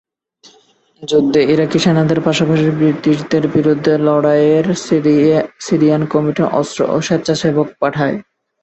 যুদ্ধে ইরাকি সেনাদের পাশাপাশি ব্রিটিশদের বিরুদ্ধে লড়াইয়ের সিরিয়ান কমিটি অস্ত্র ও স্বেচ্ছাসেবক পাঠায়।